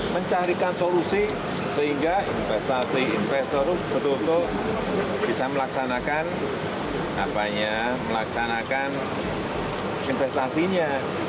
mencarikan solusi sehingga investasi investor itu betul betul bisa melaksanakan investasinya